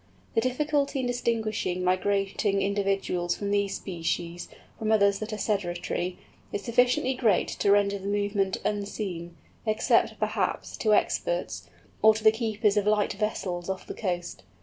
The difficulty in distinguishing migrating individuals of these species from others that are sedentary, is sufficiently great to render the movement unseen, except, perhaps, to experts, or to the keepers of light vessels off the coast.